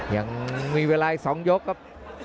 ยังมีเวลาอีก๒ยกครับ